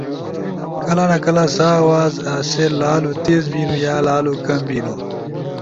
کلہ نہ کلہ سا آواز ایسے لالو تیز بیںنپو یا لالو کم بینُو